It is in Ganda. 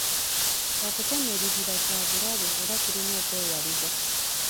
Okutema ebibira kya bulabe era kirina okwewalibwa.